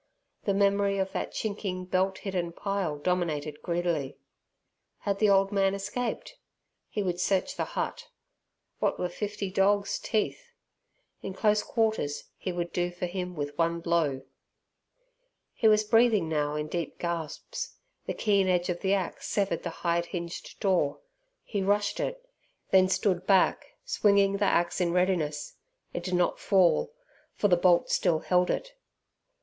The memory of that chinking belt hidden pile dominated greedily. Had the old man escaped? He would search the hut; what were fifty dogs' teeth? In close quarters he would do for him with one blow. He was breathing now in deep gasps. The keen edge of the axe severed the hide hinged door. He rushed it; then stood back swinging the axe in readiness. It did not fall, for the bolt still held it.